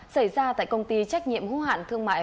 xảy ra tại công ty trách nhiệm hữu hạn thương mại